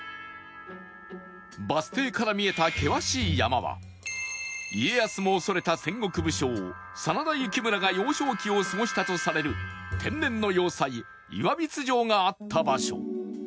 バス停から見えた険しい山は家康も恐れた戦国武将真田幸村が幼少期を過ごしたとされる天然の要塞岩櫃城があった場所